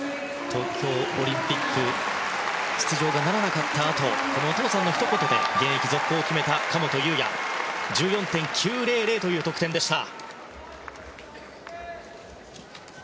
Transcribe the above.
東京オリンピックの出場がならなかったあとお父さんのひと言で現役続行を決めた神本雄也。１４．９００という得点でした。